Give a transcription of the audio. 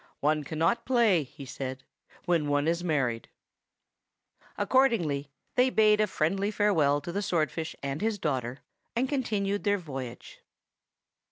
"One cannot play," he said, "when one is married." Accordingly they bade a friendly farewell to the swordfish and his daughter, and continued their voyage.